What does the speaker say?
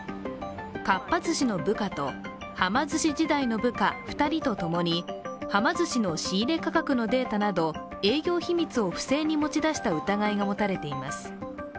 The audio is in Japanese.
かっぱ寿司の部下とはま寿司時代の部下２人とともにはま寿司の仕入れ価格のデータなど営業秘密を不正に持ち出した疑いが持たれています。